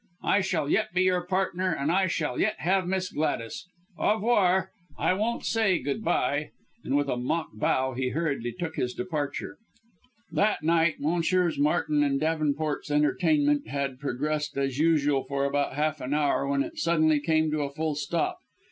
I shall yet be your partner and I shall yet have Miss Gladys! Au revoir I won't say good bye!" and with a mock bow he hurriedly took his departure. That night Messrs. Martin and Davenport's entertainment had progressed as usual for about half an hour when it suddenly came to a full stop.